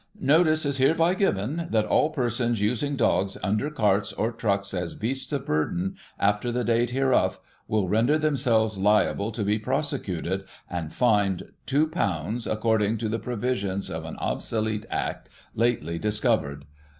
"Notice is hereby given, that all persons using dogs under carts or trucks, as beasts of burden, after the date hereof, will render themselves liable to be prosecuted, and fined £2^ according to the provisions of an obsolete Act lately discovered.